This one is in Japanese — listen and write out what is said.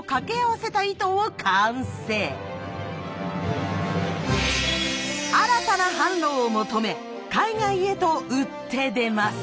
新たな販路を求め海外へと打って出ます。